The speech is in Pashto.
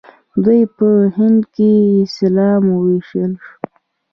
دوی په هند کې اسلام وويشلو.